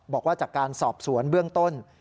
บอกว่าจากการสอบสวนเบื้องต้น